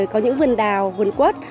có những vườn đào vườn quất